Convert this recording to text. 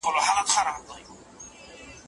چي پخپله وو په دام کي کښېوتلی